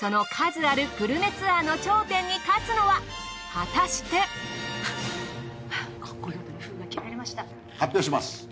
その数あるグルメツアーの頂点に立つのは果たして発表します